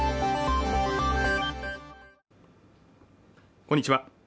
こんにちは